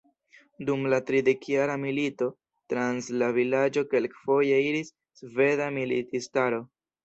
Dum la Tridekjara milito trans la vilaĝo kelkfoje iris sveda militistaro.